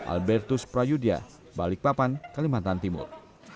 albertus prayudya balikpapan kalimantan timur